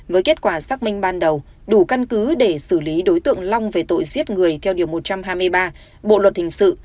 với kết quả xác minh ban đầu đủ căn cứ để xử lý đối tượng long về tội giết người theo điều một trăm hai mươi ba bộ luật hình sự